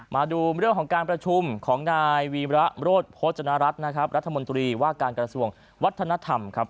มาดูเรื่องของการประชุมของนายวีระโรธโภจนรัฐรัฐนะครับรัฐมนตรีว่าการกระทรวงวัฒนธรรมครับ